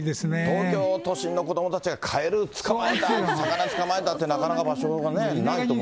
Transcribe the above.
東京都心の子どもたちがカエル捕まえた、魚捕まえたって、なかなかないと思うのでね。